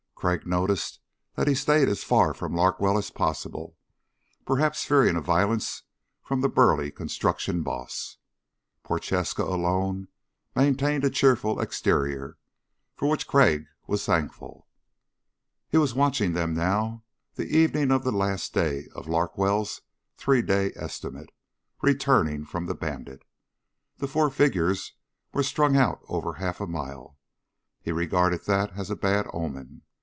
Crag noticed that he stayed as far from Larkwell as possible, perhaps fearing violence from the burly construction boss. Prochaska, alone, maintained a cheerful exterior for which Crag was thankful. He was watching them now the evening of the last day of Larkwell's three day estimate returning from the Bandit. The four figures were strung out over half a mile. He regarded that as a bad omen.